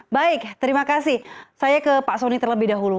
baik terima kasih saya ke pak soni terlebih dahulu